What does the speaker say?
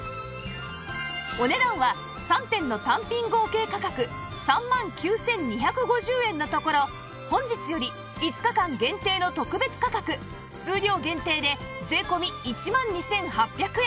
お値段は３点の単品合計価格３万９２５０円のところ本日より５日間限定の特別価格数量限定で税込１万２８００円